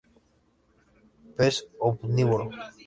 Pez omnívoro.